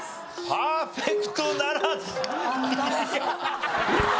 パーフェクトならず。